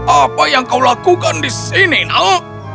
apa yang kau lakukan di sini nao